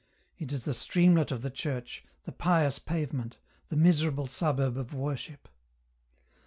It is the streamlet of the church, the pious pavement, the miserable suburb of worship.